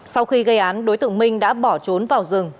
sau khi gây án đối tượng minh đã bỏ trốn vào rừng